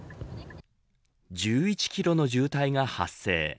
１１キロの渋滞が発生。